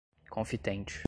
confitente